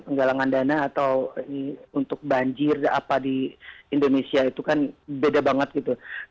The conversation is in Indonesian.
penggalangan dana atau untuk banjir apa di indonesia itu kan beda banget gitu